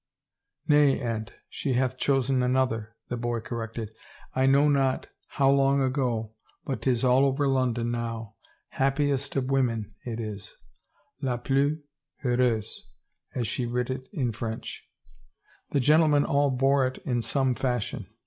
" Nay, aunt, she hath chosen another," the boy cor rected. " I know not how long ago but 'tis all over London now. ' Happiest of Women,' it is. ' La Plus Heureuse,' as she writ it in French. The gentlemen all bore it in some fashion.